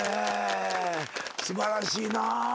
素晴らしいなぁ。